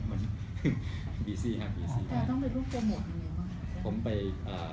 แต่ต้องไปร่วมโปรโมทอย่างนี้บ้าง